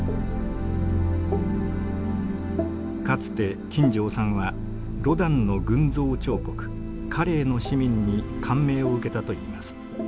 かつて金城さんはロダンの群像彫刻「カレーの市民」に感銘を受けたといいます。